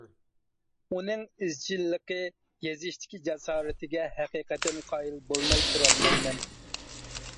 ئۇنىڭ ئىزچىللىقى، يېزىشتىكى جاسارىتىگە ھەقىقەتەن قايىل بولماي تۇرالمايمەن.